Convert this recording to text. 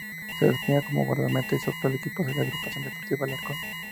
Se desempeña como guardameta y su actual equipo es la Agrupación Deportiva Alcorcón.